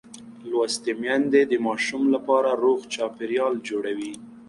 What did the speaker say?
لوستې میندې د ماشوم لپاره روغ چاپېریال جوړوي.